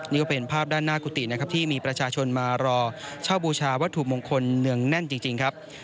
นี่ก็เป็นภาพด้านหน้ากุฏินะครับที่มีประชาชนมารอเช่าบูชาวัตถุมงคลเนืองแน่นจริงครับ